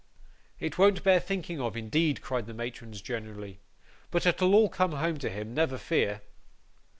it won't bear thinking of, indeed,' cried the matrons generally; 'but it'll all come home to him, never fear.